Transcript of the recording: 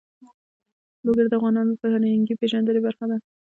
لوگر د افغانانو د فرهنګي پیژندنې برخه ده.